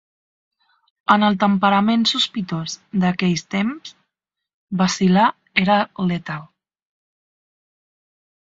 En el temperament sospitós d'aquells temps, vacil·lar era letal.